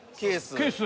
ケース。